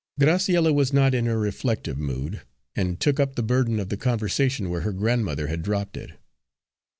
Graciella was not in a reflective mood, and took up the burden of the conversation where her grandmother had dropped it.